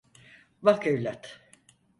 Bak evlat.